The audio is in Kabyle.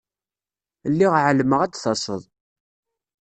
Lliɣ εelmeɣ ad d-taseḍ.